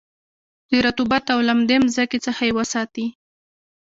د رطوبت او لمدې مځکې څخه یې وساتی.